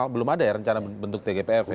belum ada ya rencana bentuk tgpf ya